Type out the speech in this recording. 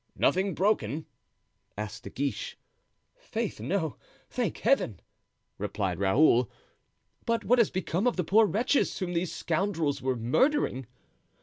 "Nothing broken?" asked De Guiche. "Faith, no, thank Heaven!" replied Raoul; "but what has become of the poor wretches whom these scoundrels were murdering?"